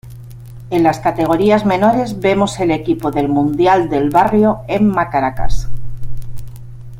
En las categorías menores vemos el equipo del Mundial del Barrio en Macaracas.